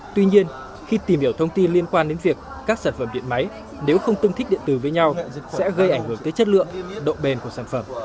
tuy nhiên khi tìm hiểu thông tin liên quan đến việc các sản phẩm điện máy nếu không tương thích điện tử với nhau sẽ gây ảnh hưởng tới chất lượng độ bền của sản phẩm